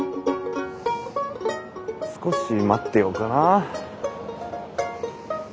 少し待ってようかな。